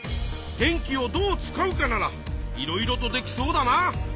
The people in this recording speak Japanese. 「電気をどう使うか」ならいろいろとできそうだな。